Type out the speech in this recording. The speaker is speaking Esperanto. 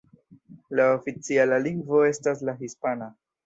La oficiala lingvo estas la hispana.